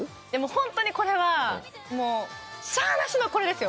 ホントにこれはもうしゃあなしのこれですよ。